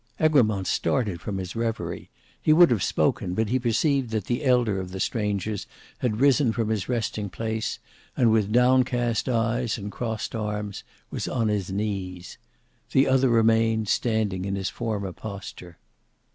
Egremont started from his reverie. He would have spoken, but he perceived that the elder of the strangers had risen from his resting place, and with downcast eyes and crossed arms, was on his knees. The other remained standing in his former posture.